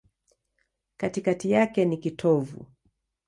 Katikati yake ni kitovu.